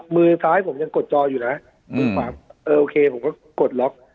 มือซ้ายผมก็จะกดจออยู่นะเออโอเคผมก็กดล็อค